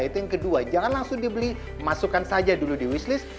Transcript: itu yang kedua jangan langsung dibeli masukkan saja dulu di wishlist